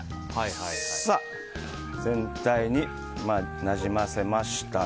全体になじませましたら。